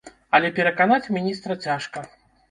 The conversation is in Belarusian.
Але пераканаць міністра цяжка.